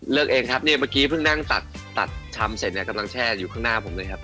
เองครับเนี่ยเมื่อกี้เพิ่งนั่งตัดตัดชำเสร็จเนี่ยกำลังแช่อยู่ข้างหน้าผมเลยครับ